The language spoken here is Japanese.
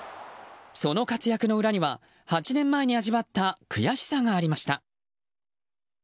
その活躍の裏には８年前に味わった悔しさがありました。